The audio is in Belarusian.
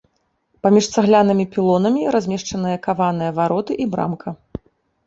Паміж цаглянымі пілонамі размешчаныя каваныя вароты і брамка.